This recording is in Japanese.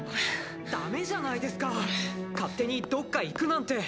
ダメじゃないですか勝手にどっか行くなんて！